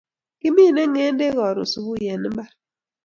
Kimine ngedek karun subui en imbar.